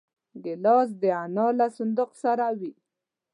ګیلاس د انا له صندوق سره وي.